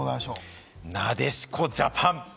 なでしこジャパン！